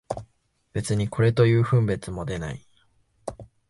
別にこれという分別も出ない